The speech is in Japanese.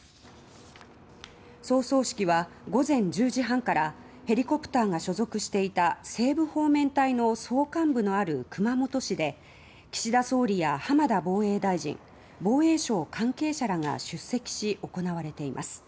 葬送式は午前１０時半からヘリコプターが所属していた西部方面隊の総監部のある熊本市で岸田総理や浜田防衛大臣防衛相関係者らが出席し行われています。